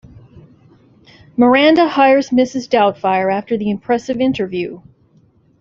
Miranda hires Mrs. Doubtfire after the impressive interview.